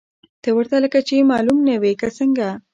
ته ورته لکه چې معلوم نه وې، که څنګه!؟